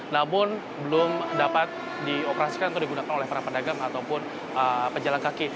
namun belum dapat dioperasikan atau digunakan oleh para pedagang ataupun pejalan kaki